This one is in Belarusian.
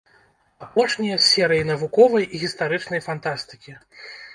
Апошнія з серыі навуковай і гістарычнай фантастыкі.